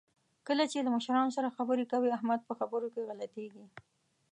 کله چې له مشرانو سره خبرې کوي، احمد په خبرو کې غلطېږي.